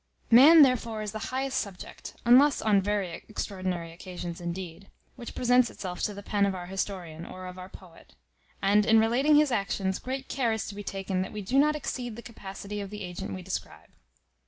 Man therefore is the highest subject (unless on very extraordinary occasions indeed) which presents itself to the pen of our historian, or of our poet; and, in relating his actions, great care is to be taken that we do not exceed the capacity of the agent we describe.